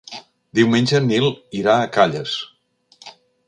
Diumenge en Nil irà a Calles.